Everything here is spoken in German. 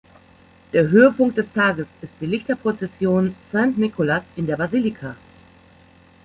Der Höhepunkt des Tages ist die Lichterprozession Saint-Nicolas in der Basilika.